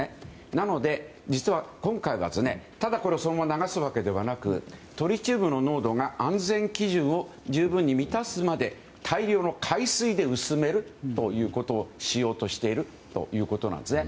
なので、実は今回はこれをそのまま流すわけではなくトリチウムの濃度が安全基準を十分に満たすまで大量の海水で薄めるということをしようとしているということですね。